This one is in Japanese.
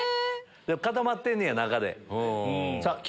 固まってんねや中で。